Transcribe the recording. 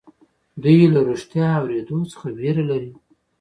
دوی له رښتيا اورېدو څخه وېره لري.